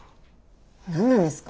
何なんですか。